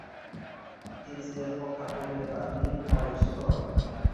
তিনি ছিলেন প্রখ্যাত অভিনেতা দিলীপ কুমারের ছোট ভাই।